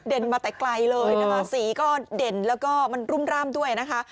มาแต่ไกลเลยนะคะสีก็เด่นแล้วก็มันรุ่มร่ามด้วยนะคะ